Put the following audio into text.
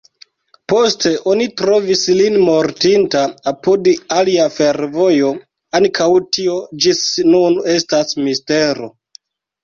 Poste oni trovis lin mortinta apud alia fervojo; ankaŭ tio ĝis nun estas mistero.